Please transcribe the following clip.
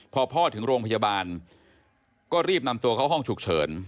พอพ่อถึงโรงพยาบาลก็รีบนำตัวเข้าห้องฉุกเฉิน